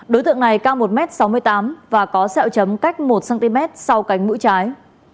đối tượng này cao một m sáu mươi tám và có sẹo chấm cách một cm sau cánh mũi trái